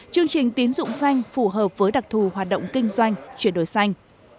chương trình tín dụng xanh phù hợp với đặc thù hoạt động kinh doanh chuyển đổi xanh